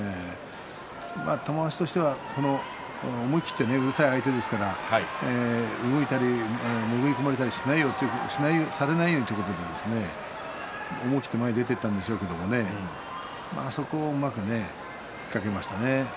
玉鷲としては思い切ってうるさい相手ですから動いたりもぐり込まれないように思い切って前に出ていったんでしょうがそこをうまく引っ掛けましたね。